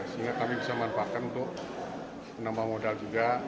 sehingga kami bisa manfaatkan untuk menambah modal juga